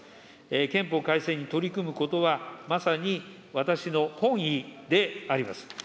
憲法改正に取り組むことは、まさに私の本意であります。